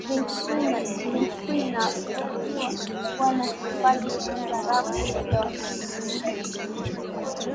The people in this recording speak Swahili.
benki kuu inatakiwi kuwa na hifadhi ya sarafu ya dola